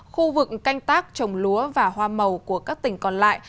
khu vực canh tác trồng lúa và hoa màu của các tỉnh còn lại